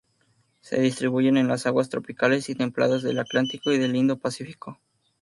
Se distribuyen en las aguas tropicales y templadas del Atlántico y del Indo-Pacífico.